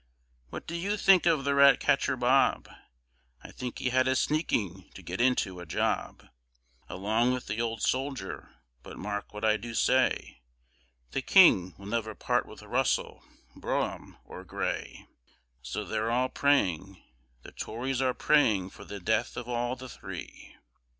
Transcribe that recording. What do you think of the Rat catcher Bob? I think he had a sneaking to get into a job, Along with the old Soldier, but mark what I do say The King will never part with Russell, Brougham, or Grey So they're all praying, the tories are praying for the death of all the three.